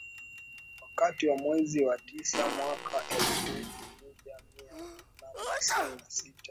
Wakati wa mwezi wa tisa mwaka elfu mija mia nane tisini na sita